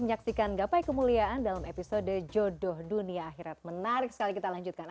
baik sekali kita lanjutkan